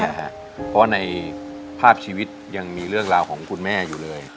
เพราะว่าในภาพชีวิตยังมีเรื่องราวของคุณแม่อยู่เลย